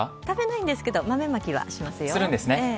食べないんですけど豆まきはしますよ。